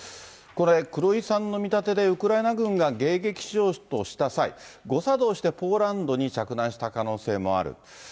これ、黒井さんの見立てでウクライナ軍が迎撃しようとした際、誤作動してポーランドに着弾した可能性もある。